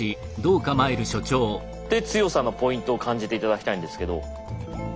で強さのポイントを感じて頂きたいんですけど。